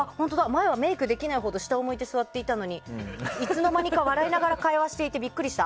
前はメイクできないほど下を向いて座っていたのにいつの間にか笑いながら会話していてビックリした。